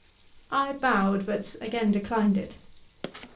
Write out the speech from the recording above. I bowed, but again declined it.